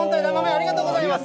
ありがとうございます。